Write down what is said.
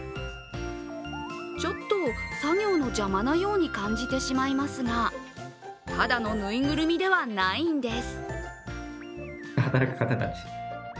ちょっと作業の邪魔なように感じてしまいますが、ただのぬいぐるみではないんです。